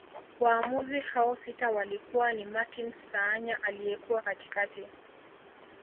Waamuzi hao sita walikuwa ni Martin Saanya aliyekuwa katikati